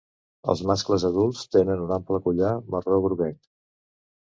Els mascles adults tenen un ample collar marró-groguenc.